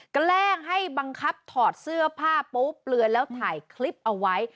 แกล้งให้บังคับถอดเสื้อผ้าโป๊เปลือแล้วถ่ายคลิปเอาไว้